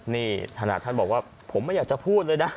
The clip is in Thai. นี่ขนาดท่านบอกว่าผมไม่อยากจะพูดเลยนะ